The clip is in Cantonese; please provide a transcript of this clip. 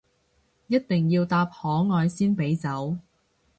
一定要答可愛先俾走